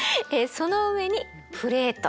その上にプレート。